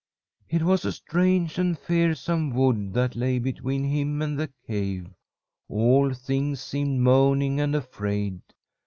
"It was a strange and fearsome wood that lay between him and the cave. All things seemed moaning and afraid.